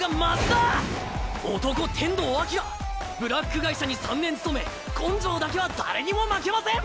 天道輝ブラック会社に３年勤め根性だけは誰にも負けません！